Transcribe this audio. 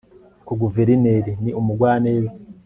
ariko Guverineri Ni umugwaneza